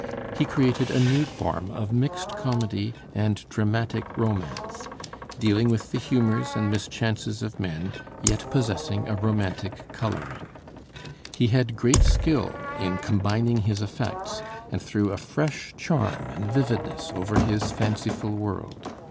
He created a new form of mixed comedy and dramatic romance, dealing with the humors and mischances of men, yet possessing a romantic coloring. He had great skill in combining his effects, and threw a fresh charm and vividness over his fanciful world.